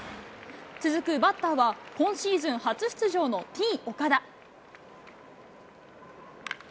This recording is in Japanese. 続くバッターは、今シーズン初出場のＴー岡田。